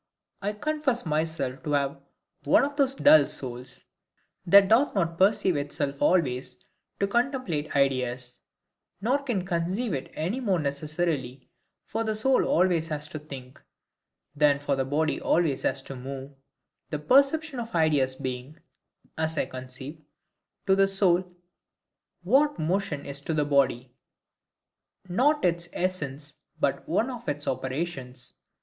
I confess myself to have one of those dull souls, that doth not perceive itself always to contemplate ideas; nor can conceive it any more necessary for the soul always to think, than for the body always to move: the perception of ideas being (as I conceive) to the soul, what motion is to the body; not its essence, but one of its operations.